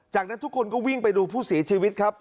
จากนั้นทุกคนก็วิ่งไปดูผู้เสียชีวิตครับ